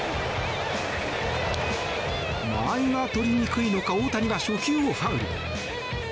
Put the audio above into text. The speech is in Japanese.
間合いが取りにくいのか大谷が初球をファウル。